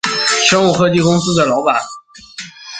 生物科技公司的老板